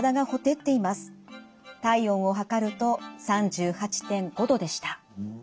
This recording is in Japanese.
体温を測ると３８．５度でした。